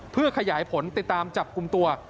เพื่อขยายผลติดตามจับกลุ่มตัว